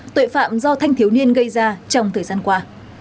tội phạm do thanh thiếu niên gây ra trong thời gian qua